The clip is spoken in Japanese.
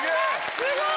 すごーい！